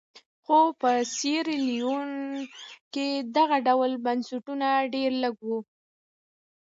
خو په سیریلیون کې دغه ډول بنسټونه ډېر لږ وو.